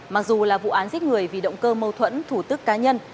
mặc dù là vụ án giết người vì động cơ mâu thuẫn thủ tức cá nhân